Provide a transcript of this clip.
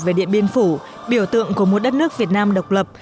về điện biên phủ biểu tượng của một đất nước việt nam độc lập